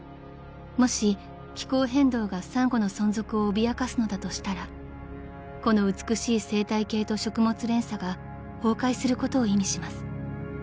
［もし気候変動がサンゴの存続を脅かすのだとしたらこの美しい生態系と食物連鎖が崩壊することを意味します］